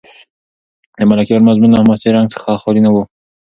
د ملکیار مضمون له حماسي رنګ څخه خالي و.